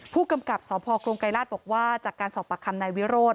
ผู้กำกับสพกรงไกรราชบอกว่าจากการสอบปากคำนายวิโรธ